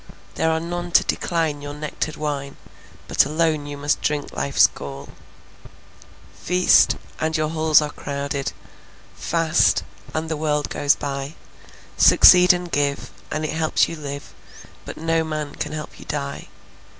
There are none to decline your nectared wine, But alone you must drink life's gall. Feast, and your halls are crowded; Fast, and the world goes by. Succeed and give, and it helps you live, But no man can help you die.